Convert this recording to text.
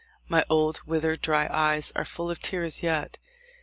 My old, withered, dry eyes are full of tears yet.